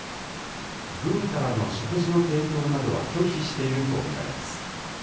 軍からの食事の提供などは拒否していると見られます。